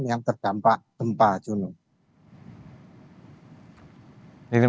jadi ini adalah hal yang sangat penting